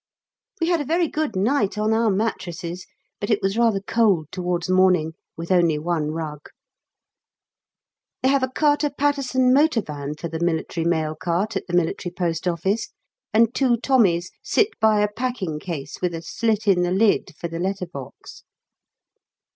We had a very good night on our mattresses, but it was rather cold towards morning with only one rug. They have a Carter Paterson motor van for the Military mail cart at the M.P.O., and two Tommies sit by a packing case with a slit in the lid for the letter box.